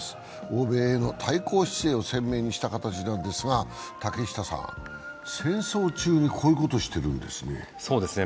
欧米への対抗姿勢を鮮明にした形なんですが、竹下さん、戦争中にこういうことしてるんですね。